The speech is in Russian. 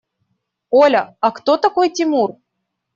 Оля, а кто такой Тимур?